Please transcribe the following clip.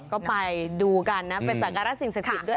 ก็ไปดูกันนะเป็นสังการรัฐสิทธิ์ด้วย